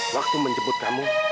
waktu menjemput kamu